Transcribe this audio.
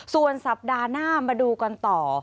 ส่วนสัปดาห์หน้ามาดูกันต่อ